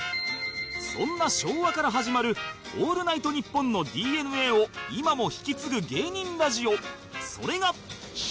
そんな昭和から始まる『オールナイトニッポン』の ＤＮＡ を今も引き継ぐ芸人ラジオそれが